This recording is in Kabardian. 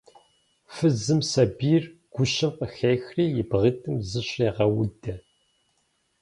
Фызым сабийр гущэм къыхехри, и бгъитӏым зыщӏрегъэудэ.